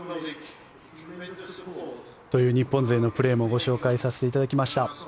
という日本勢のプレーもご紹介させていただきました。